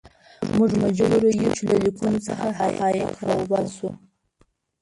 موږ مجبور یو چې له لیکنو څخه حقایق راوباسو.